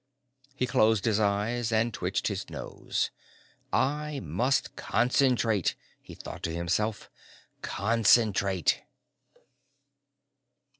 He closed his eyes and twitched his nose. I must concentrate, he thought to himself, concentrate....